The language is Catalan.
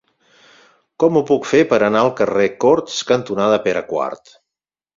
Com ho puc fer per anar al carrer Corts cantonada Pere IV?